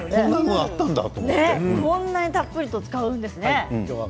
こんなにたっぷりと使うんですね